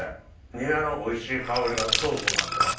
ニラのおいしい香りがソースになってますね。